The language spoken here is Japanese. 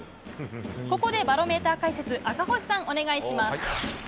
ここでバロメーター解説赤星さん、お願いします。